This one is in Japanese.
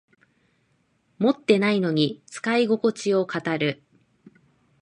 持ってないのに使いここちを語る